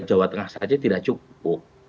jawa tengah saja tidak cukup